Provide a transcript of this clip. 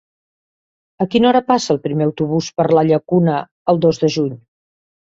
A quina hora passa el primer autobús per la Llacuna el dos de juny?